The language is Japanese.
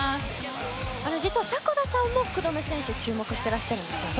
実は迫田さんも福留選手注目していらっしゃるんですね。